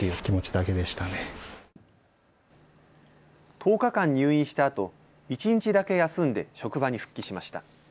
１０日間入院したあと一日だけ休んで職場に復帰しました。